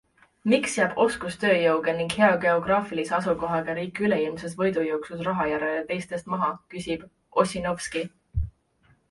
Miks jääb oskustööjõuga ning hea geograafilise asukohaga riik üleilmses võidujooksus raha järele teistest maha, küsib Ossinovski?